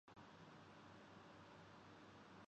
مقبولیت کا تعلق عوامی مذاق سے ہے۔